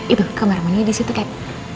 itu kamar maninya disitu cap